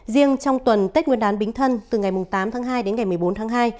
riêng trong tuần tết nguyên đán bính thân từ ngày tám tháng hai đến ngày một mươi bốn tháng hai